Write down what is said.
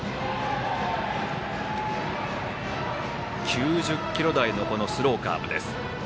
９０キロ台のスローカーブです。